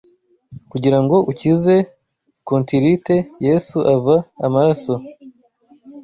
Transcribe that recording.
Kugira ngo ukize contirite, Yesu ava amaraso